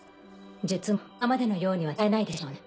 術も今までのようには使えないでしょうね。